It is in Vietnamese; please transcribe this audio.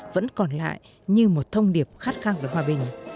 vẫn còn lại như một thông điệp khát khăng về hoa kỳ